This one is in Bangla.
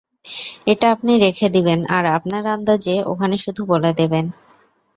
এটা আপনি রেখে দিবেন আর আপনার আন্দাজে ওখানে শুধু বলে দিবেন।